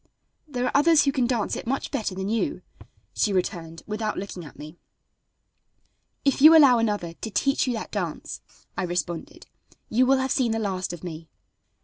"There are others who can dance it much better than you," she returned, without looking at me. "If you allow another to teach you that dance," I responded, "you will have seen the last of me."